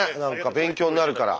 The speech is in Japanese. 勉強になるから。